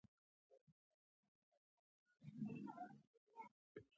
بسونه روان شول.